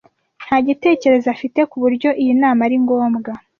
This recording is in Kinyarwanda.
Nta gitekerezo afite ku buryo iyi nama ari ngombwa.